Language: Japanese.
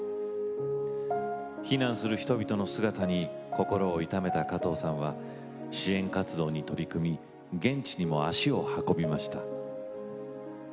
避難する人々の姿に心を痛めた加藤さんは支援活動に取り組み現地にも足を運びました。